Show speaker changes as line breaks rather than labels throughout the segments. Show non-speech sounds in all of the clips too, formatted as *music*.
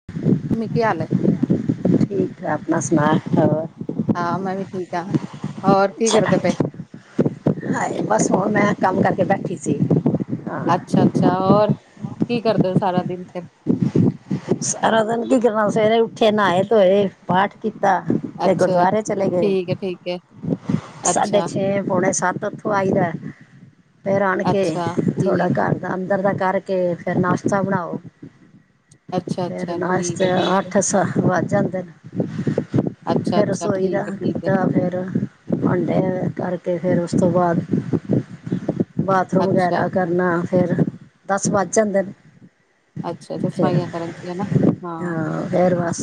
*inaudible*
ਨੀ ਕੀ ਹਾਲ ਏ।
ਠੀਕ ਠਾਕ ਆਪਣਾ ਸਣਾ ਹੋਰ।
ਹਾਂ ਮੈਂ ਵੀ ਠੀਕ ਆਂ ਹੋਰ ਕੀ
ਅੱਛਾ
ਕਰਦੇ ਪਏ?
ਹਾਏ ਬਸ ਹੁਣ ਮੈਂ ਕੰਮ ਕਰਕੇ ਬੈਠੀ ਸੀ।
ਅੱਛਾ-ਅੱਛਾ ਹੋਰ ਕੀ ਕਰਦੇ ਓ ਸਾਰਾ ਦਿਨ ਫਿਰ।
ਸਾਰਾ ਦਿਨ ਕੀ ਕਰਨਾ ਸਵੇਰੇ ਉੱਠੇ ਨਾਏ, ਧੋਏ ਪਾਠ ਕੀਤਾ। ਤੇ
ਅੱਛਾ
ਗੁਰਦਵਾਰੇ ਚਲੇ ਗੇ,
ਠੀਕ ਹੈ ਠੀਕ ਹੈ
ਸਾਡੇ
ਅੱਛਾ
ਛੇ ਪੌਣੇ ਸੱਤ ਓਥੋਂ ਓਥੋਂ ਆਈ ਦਾ, ਫੇਰ ਆਣ ਕੇ
ਅੱਛਾ
ਥੋੜ੍ਹਾ
ਠੀਕ
ਘਰ ਅੰਦਰ ਦਾ ਕਰਕੇ ਫੇਰ ਨਾਸ਼ਤਾ ਬਣਾਓ।
ਅੱਛਾ
ਫੇਰ
ਅੱਛਾ ਠੀਕ
ਨਾਸ਼ਤਾ
ਹੈ ਠੀਕ ਹੈ
ਅੱਠ ਸੱਤ ਵੱਜ ਜਾਂਦੇ ਨੇ।
ਅੱਛਾ
ਫੇਰ
ਅੱਛਾ
ਰਸੋਈ
ਠੀਕ
ਦਾ
ਹੈ ਠੀਕ ਹੈ
ਕੀਤਾ, ਫੇਰ ਭਾਂਡੇ ਕਰਕੇ ਫੇਰ ਉਸ ਤੋਂ ਬਾਦ ਬਾਥਰੂਮ
ਅੱਛਾ
ਵਗੈਰਾ ਕਰਨਾ, ਫੇਰ ਦਸ ਵਜ ਜਾਂਦੇ ਨੇ।
ਅੱਛਾ-ਅੱਛਾ
ਫਿਰ
ਸਫਾਈਆਂ ਕਰਨ 'ਚ ਵੀ ਹਨਾ, ਹਾਂ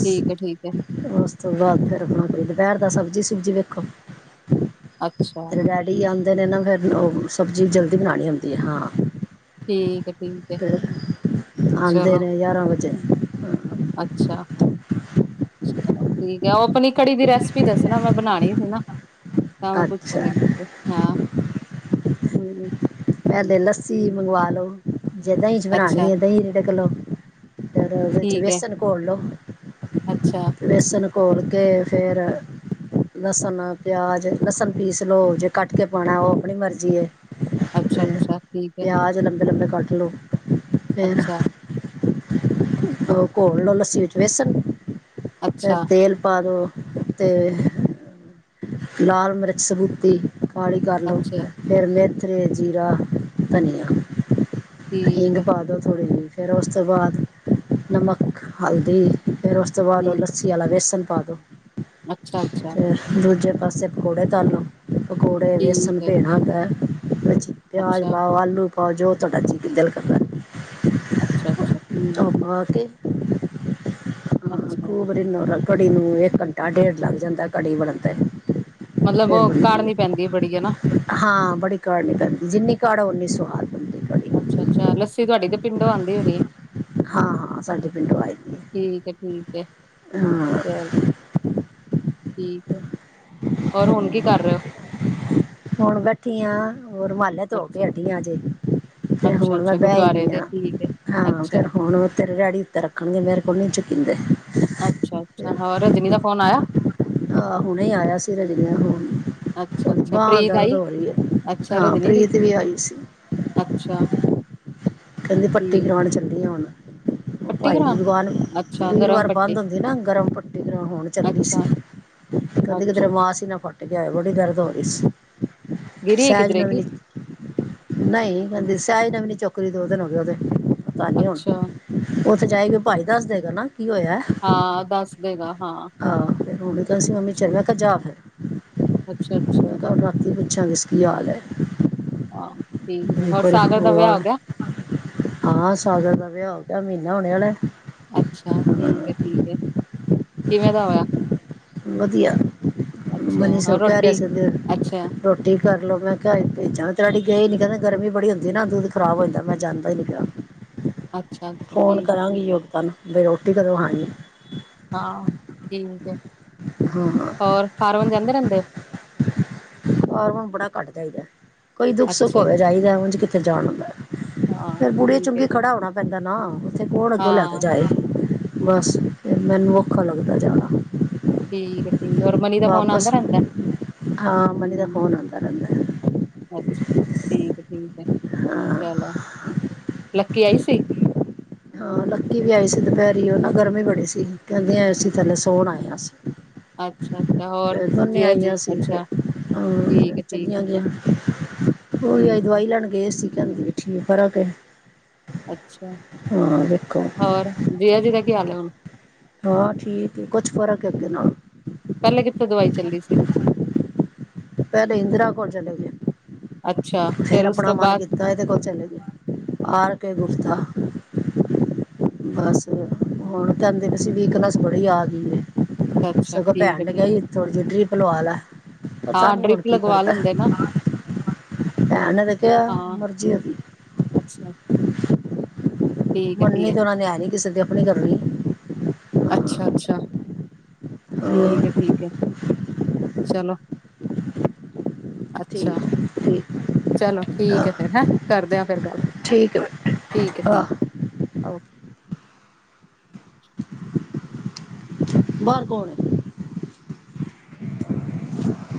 ਠੀਕ ਏ ਠੀਕ ਏ।
ਓਸ ਤੋਂ ਬਾਦ ਫੇਰ ਆਪਣਾ ਕੋਈ ਦਪੈਰ ਦਾ ਸਬਜ਼ੀ ਸੁਬਜ਼ੀ ਵੇਖੋ।
ਅੱਛਾ।
ਏ ਆਂਦੇ ਨੇ ਨਾ ਫੇਰ ਓ ਸਬਜ਼ੀ ਜਲਦੀ ਬਣਾਣੀ ਹੁੰਦੀ ਏ ਹਾਂ।
ਠੀਕ ਏ ਠੀਕ। ਹੈ
ਫੇਰ ਆਂਦੇ
ਚਲੋ
ਨੇ ਯਾਰਾਂ ਵਜੇ।
ਅੱਛਾ। ਠੀਕ ਐ, ਓ ਆਪਣੀ ਕੜੀ ਦੀ ਰੈਸਪੀ ਦੱਸਣਾ ਮੈਂ ਬਣਾਣੀ ਸੀ ਨਾ। ਤਾਂ ਮੈ
ਅੱਛਾ
ਪੁੱਛਣ ਲਗੀ ਸੀ ਹਾਂ ਹੂੰ।
ਪੈਲੇ ਲੱਸੀ ਮੰਗਵਾ ਲੋ, ਜੇ ਦਈਂ 'ਚ
ਅੱਛਾ
ਬਣਾਣੀ ਏ, ਦਈਂ ਰਿੜਕ ਲੋ। ਫੇਰ ਓਦੇ 'ਚ
ਠੀਕ ਹੈ
ਵੇਸਨ ਘੋਲ ਲੋੋ।
ਅੱਛਾ।
ਵੇਸਣ ਘੋਲ ਕੇ ਫੇਰ ਲਸਣ, ਪਿਆਜ, ਲਸਣ ਪੀਸ ਲੋ, ਜੇ ਕੱਟ ਕੇ ਪਾਉਣਾ ਓ ਆਪਣੀ ਮਰਜ਼ੀ ਏ। ਤੇ
ਅੱਛਾ-ਅੱਛਾ ਠੀਕ ਹੈ,
ਪਿਆਜ ਲੰਬੇ-ਲੰਬੇ ਕੱਟ ਲੋੋ, ਫੇਰ ਤੋ ਘੋਲ ਲੋ ਲੱਸੀ ਵਿੱਚ ਵੇਸਣ। ਫੇਰ
ਅੱਛਾ-ਅੱਛਾ,
ਤੇਲ ਪਾ ਦੋ, ਤੇ ਲਾਲ ਮਿਰਚ ਸਬੂਤੀ ਕਾਲੀ ਕਰ ਲੋ।
ਅੱਛਾ
ਫੇਰ ਮੇਥਰੇ, ਜੀਰਾ, ਧਨੀਆ,
ਠੀਕ
ਹਿੰਗ
ਹੈ,
ਪਾ ਦੋ ਥੋੜ੍ਹੀ ਜੀ। ਫੇਰ ਓਸ ਤੋਂ ਬਾਦ ਨਮਕ ਹਲਦੀ ਫਿਰ ਉਸ ਤੋਂ ਬਾਅਦ
ਹੂੰ,
ਲੱਸੀ। ਦੀ ਅਆਲਾ ਵੇਸਨ ਪਾਦੋ।
ਅੱਛਾ-ਅੱਛਾ।
ਦੂਜੇ ਪਾਸੇ ਪਕੌੜੇ ਤਲ ਲੋ। ਪਕੌੜੇ
ਠੀਕ
ਵੇਸਣ
ਹੈ,
ਭਜਣਾ ਹੁੰਦਾ, ਵਿੱਚ ਪਿਆਜ
ਅੱਛਾ,
ਪਾਓ, ਆਲੂ ਹੋਰ ਜੋ ਤੋਡਾ ਜੀ ਦਿਲ ਕਰਦਾ। *unintelligible*
ਅੱਛਾ- ਅੱਛਾ ਠੀਕ ਏ
ਉਹ
ਠੀਕ
ਪਾ
ਏ।
ਕੇ
ਅੱਛਾ।
ਕੜੀ ਨੂੰ ਓਰਾ ਕੜੀ ਨੂੰ ਇੱਕ ਘੰਟਾ- ਡੇਢ ਲੱਗ ਜਾਂਦਾ ਕੜੀ ਬਣਨ ਤੇ।
ਮਤਲਬ
ਫਿਰ
ਓਹ
ਬਣਦੀ ਹੈ
ਕਾੜਨੀ ਪੈਂਦੀ ਏ ਬੜੀ ਹੈਨਾ।
ਹਾਂ ਬੜੀ ਕਾੜਨੀ ਪੈਂਦੀ ਜਿੰਨੀ ਕਾੜੋ ਉਨੀ ਸਵਾਦ
ਅੱਛਾ-ਅੱਛਾ ਲੱਸੀ ਤੁਆਡੀ ਤਾ ਪਿੰਡੋਂ ਆਂਦੀ ਹੋਣੀ ਏ।
ਹਾਂ ਹਾਂ ਸਾਡੇ ਪਿੰਡੋਂ ਆਈ ਦੀ ਹੈ
ਠੀਕ ਐ ਠੀਕ ਐ‌
ਹਾਂ
ਚਲੋ ਠੀਕ ਐ, ਹੋਰ ਹੁਣ ਕੀ ਕਰ ਰੇ ਓ?
ਹੁਣ ਬੈਠੀ ਆਂ ਹੋ ਰੁਮਾਲ ਧੋ ਕੇ
ਅੱਛਾ,
ਹਟੀਆਂ ਜੇ ਤੇ ਹੁਣ ਮੈਂ
ਅੱਛਾ-ਅੱਛਾ
ਬੈ
ਗੁਰਦੁਆਰੇ
ਗਈ
ਦੇ ਠੀਕ ਹੈ,
ਹਾਂ
ਅੱਛਾ,
ਫੇਰ ਹੁਣ ਤੇਰੇ ਡੈਡੀ ਉੱਤੇ ਰੱਖਣਗੇ ਮੇਰੇ ਕੋਲ ਨੀ ਚੁਕੀਦੇ
ਅੱਛਾ-ਅੱਛਾ ਹਾਂ ਰਜਨੀ ਦਾ ਫੋਨ ਆਇਆ।
ਆਹ ਹੁਣੇ ਈ ਆਇਆ ਸੀ ਰਜਨੀ ਦਾ ਫੋਨ। ਓਹਦੀ
ਅੱਛਾ-ਅੱਛਾ
ਬਾਂ
ਪ੍ਰੀਤ
ਦਰਦ
ਆਈ?
ਹੋ ਰੀ ਹੈ,
ਅੱਛਾ
ਹਾਂ
ਰਜਨੀ ਦੀ,
ਪ੍ਰੀਤ ਵੀ ਆਈ ਸੀ।
ਅੱਛਾ।
ਕੈਹੰਦੀ ਪੱਟੀ
ਠੀਕ
ਕਰਵਾਣ ਚੱਲੀ ਆ ਹੁਣ,
ਪੱਟੀ
ਭਾਈ
ਕਰਾਣ?
ਵੀਵਾਰ ਨੂਂ
ਅੱਛਾ ਗਰਮ
ਵੀਰਵਾਰ ਪਾ
ਪੱਟੀ,
ਬੰਦ ਹੁੰਦੀ ਨਾ ਗਰਮ ਪੱਟੀ ਕਰਾਂਉ ਹੁਣ ਚੱਲੀ ਸੀ।
ਅੱਛਾ,
ਤੇ ਕੈਹੰਦੀ ਕਿ
ਅੱਛਾ
ਤੇਰਾ ਮਾਸ ਈ ਨਾ ਫੱਟ ਗਿਆ ਹੋਆ ਬੜੀ ਦਰਦ ਹੋ ਰੀ ਸੀ। ਸੈਜ ਨੇ ਵੀ ਨ ਨਂਈ ਕੈਹੰਦੀ ਸੈਹਜ ਨਵੀਨੀ ਚੋਕਰੀ ਦੋ ਦਿਨ ਹੋ ਗੈ ਓਹਦੇ ਪਤਾ ਨੀ ਹੁਣ ਓਥੇ ਜਾਏਗੀ, ਭਾਈ ਦੱਸ ਦੇਗਾ ਨਾ, ਕੀ ਹੋਇਆ।
ਹਾਂ, ਦੱਸ ਦੇਗਾ। ਹਾਂ
ਆਹੋ ਫੇਰ ਓਹਨੂੰ ਕਐ ਅਸੀਂ ਮੱਮੀ
ਅੱਛਾ
ਚਲਣੈ ਕੇ ਜਾਂ ਫੇਰ,
ਅੱਛਾ ਅੱਛਾ
ਮੈਂ ਕੇਆ ਹੁਣ ਰਾ ਤੇ ਪੁਛਾ ਤੇ ਸ ਕੀ ਹਾਲ ਐ।
ਹਾਂ ਠੀਕ ਐ ਹੋਰ ਸਾਗਰ ਦਾ ਵਿਆਹ ਹੋ ਗੇਆ।
ਹਾਂ, ਸਾਗਰ ਦਾ ਵਿਆਹ ਹੋ ਗਿਆ, ਮੀਹਨਾ ਹੋਣੇ ਆਲੈ।
ਅੱਛਾ, ਠੀਕ ਐ ਠੀਕ ਐ, ਕਿਵੇਂ ਦਾ ਹੋਇਆ?
ਵਦੀਆ,
ਅੱਛਾ
ਮਨੀਸ਼ ਓਹ
ਹੋਰ
ਕਹਿ ਰੇਆ
ਰੋਟੀ
ਸੀਤੇ
ਅੱਛਾ
ਰੋਟੀ ਕਰ ਲੋ ਮੈਂ ਕੇਆ ਭੇਜਾਂ ਤੋਆਡੀ ਗਏ ਨੀ ਕਿੰਦੇ, ਗਰਮੀ ਬੜੀ ਹੁੰਦੀ ਨਾ ਦੁਧ ਖਰਾਬ ਹੋ ਜਾਂਦੈ, ਮੈਂ ਜਾਂਦਾ ਈ ਨੀ ਪੇਆ।
ਅੱਛਾ। ਅੱਛਾ
ਫ਼ੋਨ
ਠੀਕ ਹੈ
ਕਰਾਂਗੀ
ਠੀਕ ਹੈ
ਯੋਗਤਾ ਨੂੰ, ਬਈ ਰੋਟੀ ਕਦੋਂ ਆਣੀ।
ਹਾਂ, ਠੀਕ ਐ।
ਹਾਂ।
ਹਰ ਰੋਜ਼ ਜਾਂਦੇ ਰੈਹੰਦੇ ਨ।
ਹੋਰ ਹੁਣ ਬੜਾ ਘੱਟ ਜਾਈਦੈ, ਕੋਈ ਦੁੱਖ- ਸੁੱਖ
ਅੱਛਾ
ਹੋਵੇ ਜਾਈਦੈ ਓੰਝ ਕਿੱਥੇ ਜਾਣ ਹੋਂਦੈ।
ਹਾਂ
ਫੇਰ ਬੁੜੀਏ
ਠੀਕ ਹੈ
ਚੁੰਗੀ
ਜੀ
ਖੜਾ ਹੋਣਾ ਪੈਂਂਦਾ ਨਾ, ਉੱਥੇ ਕੌਣ ਅੱਗੋ ਲੈ ਕੇ
ਹਾਂ
ਜਾਏ। ਬਸ ਮੈਨੂੰ ਔਖਾ ਲੱਗਦੈ ਜਾਣਾ।
ਠੀਕ ਹੈ ਠੀਕ ਔਰ ਮਨੀ ਦਾ ਫੋਨ ਆਂਦਾ
ਵਾਪਸ
ਰੈਂਦਾ
ਹਾਂ ਮਨੀ ਦਾ ਫੋਨ ਆਂਦਾ ਰੈੰਦੈ।
ਠੀਕ ਐ ਠੀਕ ਐ ਚਲੋ, ਲੱਕੀ ਆਈ ਸੀ।
ਹਾਂ, ਲੱਕੀ ਵੀ ਆਈ ਸੀ‌ ਦੁਪੈਹਰੀ ਓਹ ਨਾ ਗਰਮੀ ਬੜੀ ਸੀ। ਕੈਹੰਦੇ ਏ ਸੀ ਥੱਲੇ ਸੋਣ ਆਏ ਆਂ ਅਸੀਂ।
ਅੱਛਾ, ਤੇ ਹੋਰ ਜੀਆ ਜੀ
ਆਈਆਂ ਸੀ ਫਿਰ
ਅੱਛਾ। ਠੀਕ
ਹਾਂ,
ਹੈ ਠੀਕ ਹੈ।
ਚੱਲੀਆਂ ਗੀਆਂ, ਓ ਵੀ ਆਈ
ਠੀਕ ਹੈ
ਦਵਾਈ ਲੈਣ। ਗੇ ਸੀ ਕੈਹੰਦੀ ਬੈਠੀਆਂ ਫਰਕ ਏ।
ਅੱਛਾ,
ਵੇਖੋ
ਹੋਰ ਜਿਆ ਜੀ ਦਾ ਕੀ ਹਾਲ ਏ ਹੁਣ।
ਹਾਂ ਠੀਕ ਏ ਕੁਛ ਫਰਕ ਐ ਅੱਗੇ ਨਾਲੋ।
ਪੈਹਲੇ ਕਿੱਥੇ ਦਵਾਈ ਚੱਲੀ ਸੀ।
ਪੈਹਲੇ ਇੰਦਰਾ ਕੋਲ ਚਲੇ ਗਏ।
ਅੱਛਾ
ਫੇਰ
ਉਸ
ਆਪਣਾ
ਤੋਂ
ਮਨ
ਬਾਅਦ
ਕੀਤਾ ਐਦੇ ਕੋਲ ਚਲੇ ਗਏ। R K Gupta. ਬਸ ਹੁਣ ਕਹਿੰਦੇ ਵੀ ਸੀ, ਵੀਕਨੇਸ ਬੜੀ ਆ ਗਈ ਏ।
ਅੱਛਾ
ਸਗੋਂ
ਠੀਕ
ਭੈਣ
ਹੈ
ਨੇ ਕਿਆ
ਠੀਕ
ਸੀ
ਹੈ
ਥੋੜੀ ਜਿਹੀ ਜਿ ਡਰੀਪ ਲਵਾ ਲੈ। ਪਤਾ
ਹਾਂ
ਨੀ
ਡਰਿਪ
ਹੁਣ ਕੀ
ਲਗਵਾ
ਕਰਦਾ,
ਲੈਂਦੇ ਨਾ
ਭੈਣ ਨੇ ਤੇ ਕਿਹਾ
ਹਾਂ
ਮਰਜੀ ਓਹਦੀ।
ਅੱਛਾ। ਠੀਕ ਹੈ ਠੀਕ
ਮੰਨਨੀ ਤੇ ਉਹਨਾਂ ਨੇ ਹੈ ਨੀ ਕਿਸੇ ਦੀ, ਆਪਣੀ ਕਰਨੀ ਏ।
ਅੱਛਾ- ਅੱਛਾ ਠੀਕ ਏ-
ਹੋਰ
ਠੀਕ ਏ। ਚਲੋ ਅੱਛਾ।
ਠੀਕ ਠੀਕ
ਚਲੋ ਠੀਕ
ਹਾਂ
ਏ ਫੇਰ, ਹੈਂ ਕਰਦਿਆਂ ਫਿਰ ਗੱਲ,
ਠੀਕ ਹੈ
ਠੀਕ ਹੈ
ਬੇਟਾ
ਠੀਕ
ਆਹ
ਓਕੇ।
ਬਾਹਰ ਕੌਣ ਹੈ? *inaudible*